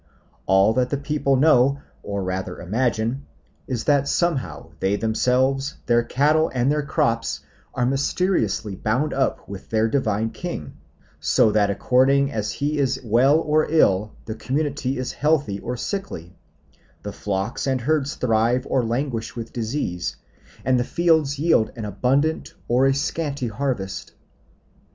All that the people know, or rather imagine, is that somehow they themselves, their cattle, and their crops are mysteriously bound up with their divine king, so that according as he is well or ill the community is healthy or sickly, the flocks and herds thrive or languish with disease, and the fields yield an abundant or a scanty harvest.